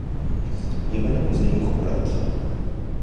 Емынэм узэрихуэрэт?